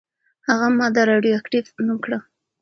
هغې ماده «راډیواکټیف» نوم کړه.